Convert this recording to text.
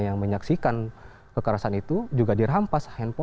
dan yang sangat disayangkan sekali pemaksaan itu juga disertai dengan kekerasan fisik